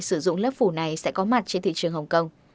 sử dụng lớp phủ này sẽ có mặt trên thị trường hồng kông